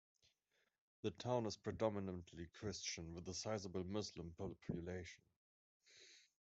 The town is predominantly Christian with a sizeable Muslim population.